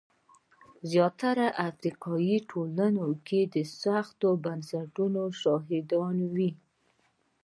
زیاتره افریقایي ټولنې د سختو بنسټونو شاهدې وې.